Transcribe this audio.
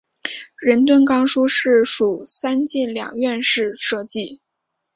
仁敦冈书室属三进两院式设计。